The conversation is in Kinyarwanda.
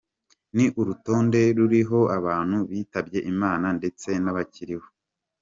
Ni urutonde ruriho abantu bitabye Imana ndetse n’abakiriho.